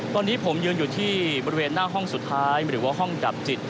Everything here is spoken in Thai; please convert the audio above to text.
ตอนนี้ผมยืนอยู่ที่บริเวณหน้าห้องสุดท้ายหรือว่าห้องดับจิต